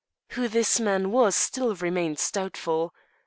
Who this man was still remains doubtful.